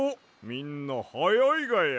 みんなはやいがや。